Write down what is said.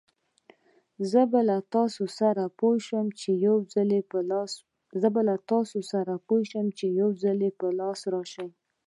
زه به له تاسره پوه شم، چې يوځل په لاس راشې!